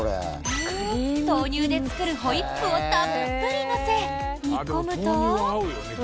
豆乳で作るホイップをたっぷり乗せ、煮込むと。